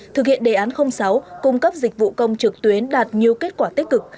thực hiện đề án sáu cung cấp dịch vụ công trực tuyến đạt nhiều kết quả tích cực